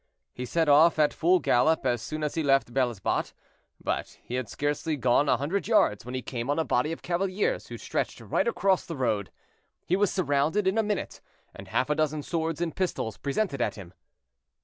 He set off at full gallop as soon as he left Bel Esbat, but he had scarcely gone a hundred yards when he came on a body of cavaliers who stretched right across the road. He was surrounded in a minute, and half a dozen swords and pistols presented at him.